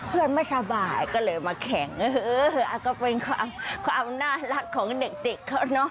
เพื่อนไม่สบายก็เลยมาแข่งก็เป็นความน่ารักของเด็กเขา